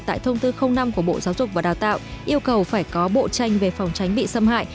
tại thông tư năm của bộ giáo dục và đào tạo yêu cầu phải có bộ tranh về phòng tránh bị xâm hại